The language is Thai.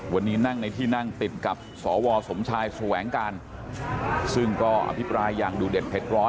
วันนี้นั่งในที่นั่งติดกับสวสมชายแสวงการซึ่งก็อภิปรายอย่างดูเด็ดเผ็ดร้อน